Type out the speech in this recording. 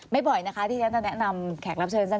ไม่บ่อยนะคะที่นี้จะแนะนำแขกรับเชิญ